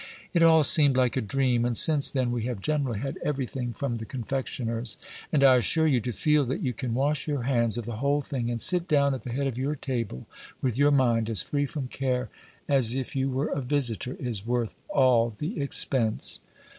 It all seemed like a dream. And since then we have generally had everything from the confectioner's; and I assure you, to feel that you can wash your hands of the whole thing, and sit down at the head of your table with your mind as free from care as if you were a visitor, is worth all the expense."